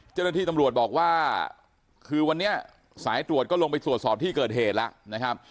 เจ้าหน้าที่ตำรวจบอกว่าคือวันนี้สายตรวจก็ลงไปตรวจสอบที่เกิดเหตุแล้วนะครับ